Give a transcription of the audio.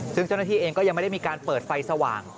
ซึ่งเจ้าหน้าที่เองก็ยังไม่ได้มีการเปิดไฟสว่าง